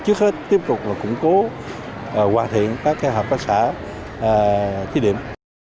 trước hết tiếp tục củng cố hoàn thiện các hợp tác xã thí điểm